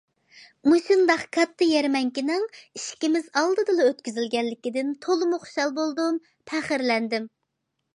مۇشۇنداق كاتتا يەرمەنكىنىڭ ئىشىكىمىز ئالدىدىلا ئۆتكۈزۈلگەنلىكىدىن تولىمۇ خۇشال بولدۇم، پەخىرلەندىم.